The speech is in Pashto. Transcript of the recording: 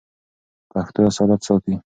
پښتو اصالت ساتي.